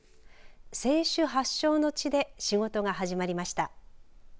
清酒発祥の地で仕事が始まりました。